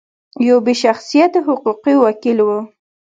یو بې شخصیته حقوقي وکیل و.